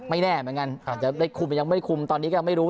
ไม่แน่กว่างั้นอ่าเดี๋ยวได้คุมหรือยังไม่คุมตอนนี้ก็ยังไม่รู้